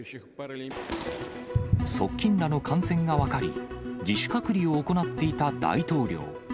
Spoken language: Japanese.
側近らの感染が分かり、自主隔離を行っていた大統領。